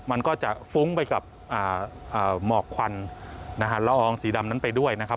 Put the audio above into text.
มันก็จะฟุ้งไปกับหมอกควันนะฮะละอองสีดำนั้นไปด้วยนะครับ